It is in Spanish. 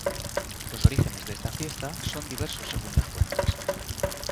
Los orígenes de esta fiesta son diversos según las fuentes.